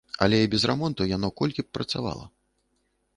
Але і без рамонту яно колькі б працавала.